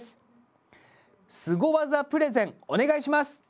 スゴ技プレゼンお願いします。